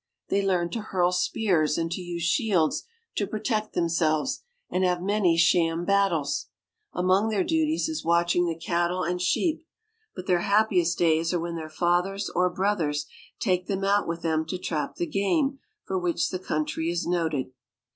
They learn to hurl spears and to use shields to pro tect themselves, and have many sham battles. Among > their duties is watching the cattle and sheep ; but their happiest days are when their fathers or brothers take them out with them to trap the game for which the coun try is noted.